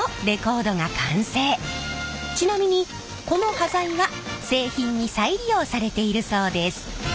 ちなみにこの端材は製品に再利用されているそうです。